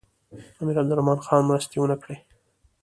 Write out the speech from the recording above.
امیر عبدالرحمن خان مرستې ونه کړې.